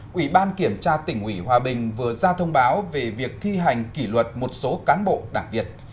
quỹ ban kiểm tra tỉnh ủy hòa bình vừa ra thông báo về việc thi hành kỷ luật một số cán bộ đảng việt